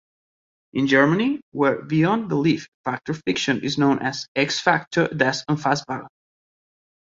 In Germany where "Beyond Belief: Fact or Fiction" is known as "X-Factor: Das Unfassbare".